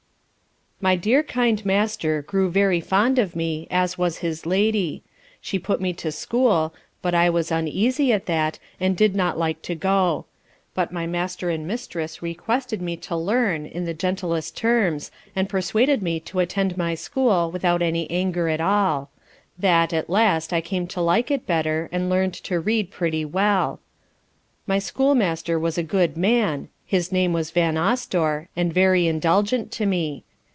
My dear kind master grew very fond of me, as was his Lady; she put me to School, but I was uneasy at that, and did not like to go; but my master and mistress requested me to learn in the gentlest terms, and persuaded me to attend my school without any anger at all; that, at last, I came to like it better, and learnt to read pretty well. My schoolmaster was a good man, his name was Vanosdore, and very indulgent to me.